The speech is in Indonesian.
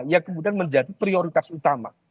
yang kemudian menjadi prioritas utama